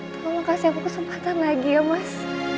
tolong kasih aku kesempatan lagi ya mas